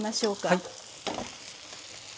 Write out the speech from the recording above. はい。